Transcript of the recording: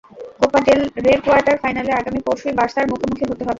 Copa del রের quarter ফাইনালে আগামী পরশুই বার্সার মুখোমুখি হতে হবে।